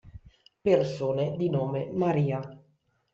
Persone di nome Maria